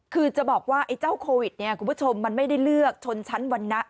คือจะบอกว่าไอ้เจ้าโควิดเนี่ยคุณผู้ชมมันไม่ได้เลือกชนชั้นวรรณะ